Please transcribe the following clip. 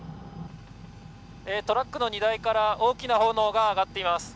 トラックの荷台から大きな炎が上がっています。